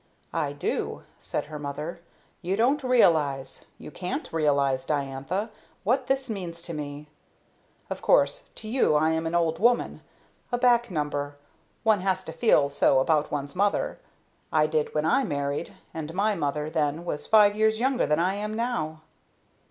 "I do," said her mother. "You don't realize, you can't realize, Diantha, what this means to me. Of course to you I am an old woman, a back number one has to feel so about one's mother. I did when I married, and my mother then was five years younger than I am now."